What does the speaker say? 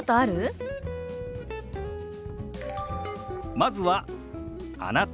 まずは「あなた」。